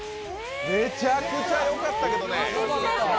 めちゃくちゃ、よかったけどね。